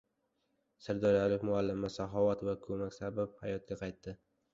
Sirdaryolik muallima “Saxovat va ko‘mak” sabab hayotga qaytdi